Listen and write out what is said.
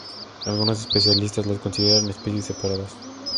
Algunos especialistas las consideran especies separadas.